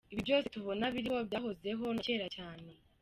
Ibi byose tubona biriho byahozeho na kera cyane.